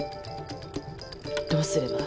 どうすれば？